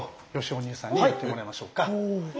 お兄さんにやってもらいましょうか。